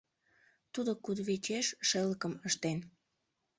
Тудо кудывечеш шелыкым ыштен.